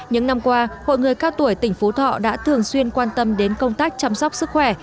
những năm qua hội người cao tuổi tỉnh phú thọ đã thường xuyên quan tâm đến công tác chăm sóc sức khỏe